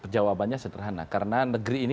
jawabannya sederhana karena negeri ini